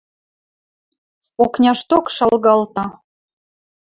Окняшток шалгалта.